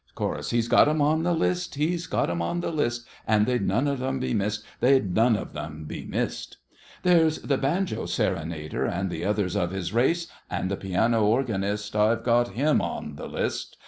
CHORUS. He's got 'em on the list—he's got 'em on the list; And they'll none of 'em be missed—they'll none of 'em be missed. There's the banjo serenader, and the others of his race, And the piano organist—I've got him on the list!